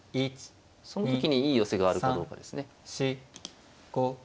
その時にいい寄せがあるかどうかですね。